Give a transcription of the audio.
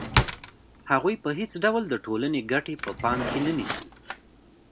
هغوی په هېڅ ډول د ټولنې ګټې په پام کې نه نیسي